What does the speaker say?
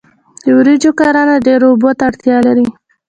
د وریجو کرنه ډیرو اوبو ته اړتیا لري.